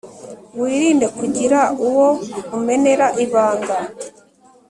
wirinde kugira uwo umenera ibanga